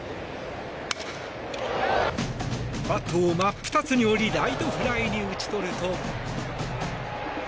バットを真っ二つに折りライトフライに打ち取ると。